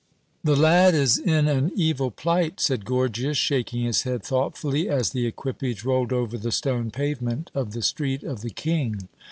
"The lad is in an evil plight," said Gorgias, shaking his head thoughtfully as the equipage rolled over the stone pavement of the Street of the King.